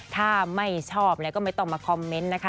ถ้าไม่ชอบแล้วก็ไม่ต้องมาคอมเมนต์นะคะ